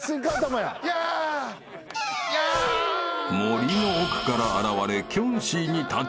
［森の奥から現れ］